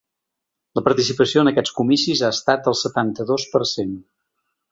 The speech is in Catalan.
La participació en aquests comicis ha estat del setanta-dos per cent.